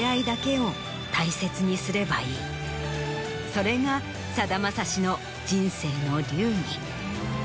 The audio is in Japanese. それがさだまさしの人生の流儀。